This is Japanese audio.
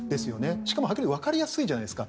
しかもはっきりわかりやすいじゃないですか。